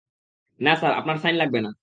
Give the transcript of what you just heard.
না, স্যার, আপনার সাইন লাগবে না!